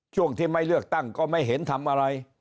ช่วงที่ไม่เลือกตั้งก็ไม่เห็นทำอะไร